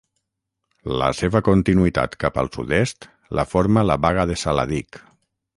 La seva continuïtat cap al sud-est la forma la Baga de Saladic.